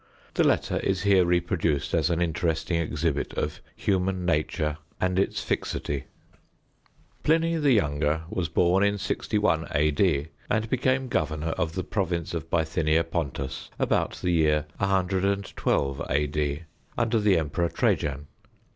The letter is here reproduced as an interesting exhibit of human nature and it fixity. Pliny, the younger, was born in 61 A.D. and became governor of the province of Bythinia Pontus about the year 112 A.D. under the Emperor Trajan.